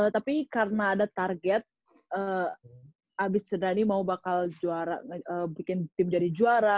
tapi karena ada target abis jedani mau bakal bikin tim jadi juara